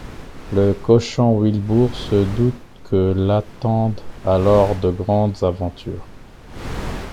Le cochon, Wilbur, se doute que l'attendent alors de grandes aventures.